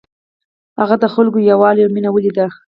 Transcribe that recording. هغه د خلکو یووالی او مینه ولیده.